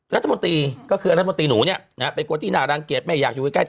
รัฐบนตรีก็คือรัฐบนตรีหนูเนี่ยข้อติ่นอะไรจะแบบอยากอยู่ประกวดที่น่ารังเกตไม่อยากอยู่ใกล้